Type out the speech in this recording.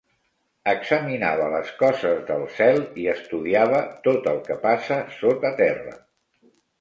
Examinava les coses del cel i estudiava tot el que passa sota terra.